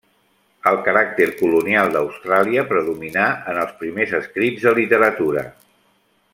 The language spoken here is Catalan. El caràcter colonial d'Austràlia predominà en els primers escrits de literatura.